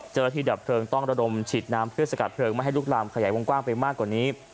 ดับเพลิงต้องระดมฉีดน้ำเพื่อสกัดเพลิงไม่ให้ลุกลามขยายวงกว้างไปมากกว่านี้